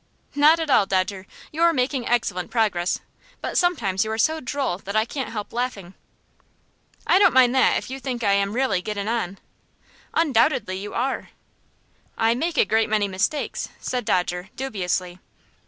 "Not at all, Dodger. You are making excellent progress; but sometimes you are so droll that I can't help laughing." "I don't mind that if you think I am really gettin' on." "Undoubtedly you are!" "I make a great many mistakes," said Dodger, dubiously.